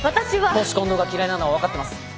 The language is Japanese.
公私混同が嫌いなのは分かってます。